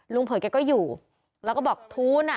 ลุงเผิดก็อยู่แล้วก็บอกทูล